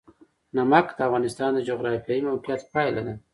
نمک د افغانستان د جغرافیایي موقیعت پایله ده.